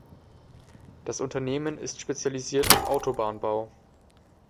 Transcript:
Das Unternehmen ist spezialisiert auf Autobahnbau.